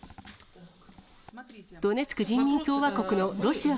ドネツク人民共和国のロシア